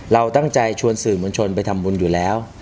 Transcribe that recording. เราตั้งใจชวนสื่อมวลชนไปทำบุญอยู่แล้ว